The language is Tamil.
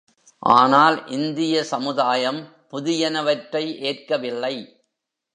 ஆனால் இந்திய சமுதாயம் புதியன வற்றை ஏற்கவில்லை.